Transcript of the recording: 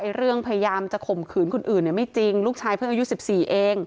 เรื่องพยายามจะข่มขืนคนอื่นเนี่ยไม่จริงลูกชายเพิ่งอายุ๑๔เอง